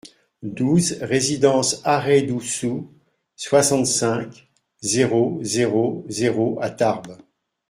douze résidence Array Dou Sou, soixante-cinq, zéro zéro zéro à Tarbes